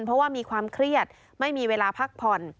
เพราะว่ามีความเครียดไม่มีเวลาพักผ่อน